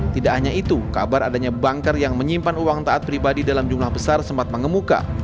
tidak hanya itu kabar adanya banker yang menyimpan uang taat pribadi dalam jumlah besar sempat mengemuka